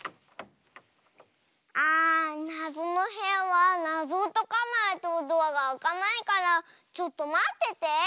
あなぞのへやはなぞをとかないとドアがあかないからちょっとまってて。